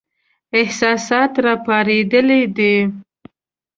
احساسات را پارېدلي دي.